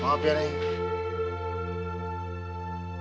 maaf ya neng